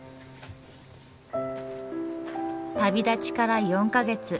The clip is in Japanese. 旅立ちから４か月。